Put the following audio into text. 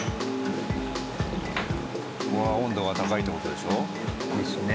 ここは温度が高いって事でしょ？ですね。